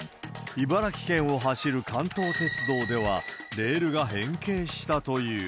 茨城県を走る関東鉄道では、レールが変形したという。